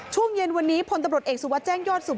ช่วงเย็นวันนี้ผลตำรวจเอกสุฟะแจ้งยอดสู่